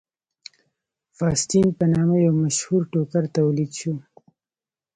فاسټین په نامه یو مشهور ټوکر تولید شو.